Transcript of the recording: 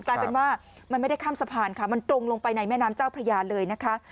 กลายเป็นว่ามันไม่ได้ข้ามสะพานค่ะมันตรงลงไปในแม่น้ำเจ้าพระยาเลยนะคะ